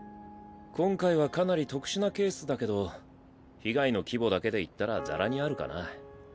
今回はかなり特殊なケースだけど被害の規模だけで言ったらざらにあるかな。